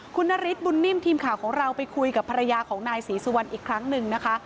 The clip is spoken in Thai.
คุณนฤทธบุญนิ่มทีมข่าวของเราไปคุยกับภรรยาของนายศรีสุวรรณอีกครั้งหนึ่งนะคะ